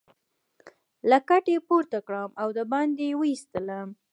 له کټ څخه يې پورته کړم او دباندې يې وایستلم.